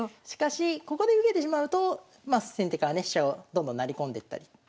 しかしここで受けてしまうと先手からね飛車をどんどん成り込んでいったり。